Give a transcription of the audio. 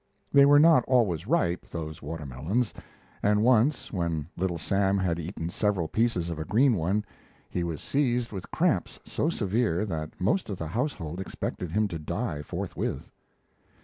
They were not always ripe, those watermelons, and once, when Little Sam had eaten several pieces of a green one, he was seized with cramps so severe that most of the household expected him to die forthwith.